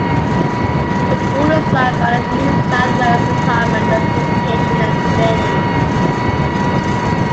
The school is run by the New South Wales Department of Education and Training.